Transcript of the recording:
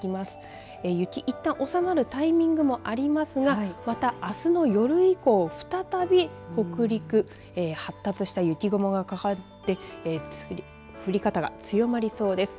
いったん収まるタイミングもありますがまた、あすの夜以降、再び北陸、発達した雪雲がかかって降り方が強まりそうです。